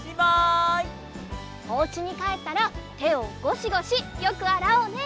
おうちにかえったらてをゴシゴシよくあらおうね！